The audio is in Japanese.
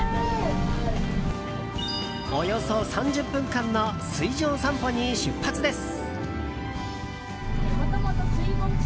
およそ３０分間の水上散歩に出発です。